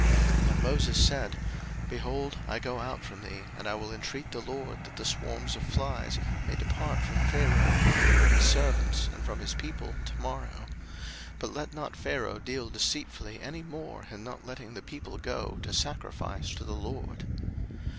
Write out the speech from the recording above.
02:008:029 And Moses said, Behold, I go out from thee, and I will intreat the LORD that the swarms of flies may depart from Pharaoh, from his servants, and from his people, to morrow: but let not Pharaoh deal deceitfully any more in not letting the people go to sacrifice to the LORD.